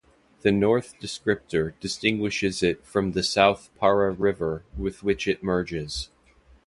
The "north" descriptor distinguishes it from the South Para River with which it merges.